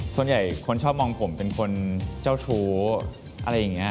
ส่วนใหญ่คนชอบมองผมเป็นคนเจ้าชู้อะไรอย่างนี้